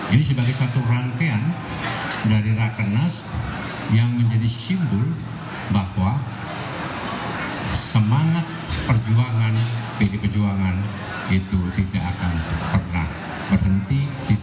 ini sebagai satu rangkaian dari rakenas yang menjadi simbol bahwa semangat perjuangan pdi perjuangan itu tidak akan pernah berhenti